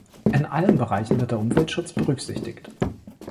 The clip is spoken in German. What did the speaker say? In allen Bereichen wird der Umweltschutz berücksichtigt.